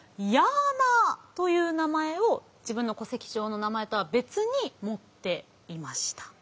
ヤーナーという名前を自分の戸籍上の名前とは別に持っていました。